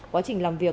quá trình làm việc